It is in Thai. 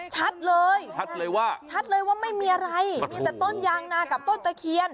ชัดเลยชัดเลยว่าชัดเลยว่าไม่มีอะไรมีแต่ต้นยางนากับต้นตะเคียน